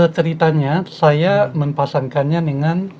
ceritanya saya mempasangkannya dengan